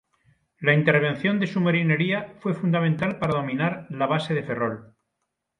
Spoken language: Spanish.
La intervención de su marinería fue fundamental para dominar la base de Ferrol.